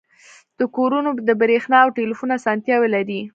دا کورونه د بریښنا او ټیلیفون اسانتیاوې لري